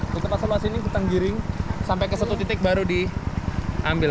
kita pasang mas ini kita ngiring sampai ke satu titik baru diambil